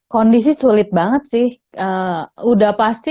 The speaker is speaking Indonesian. kondisi sulit banget sih udah pasti